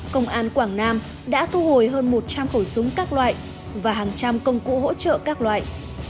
công an quảng nam đã thu hồi hơn một trăm linh khẩu súng các loại và hàng trăm công cụ hỗ trợ các loại